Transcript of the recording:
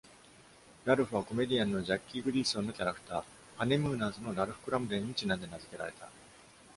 ラルフは、コメディアンのジャッキー・グリーソンのキャラクター「ハネムーナーズ」のラルフ・クラムデンにちなんで名付けられた。